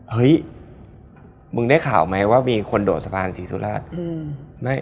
เฮ้ยมึงได้ข่าวไหมว่ามีคนโดดสะพานศรีสุราช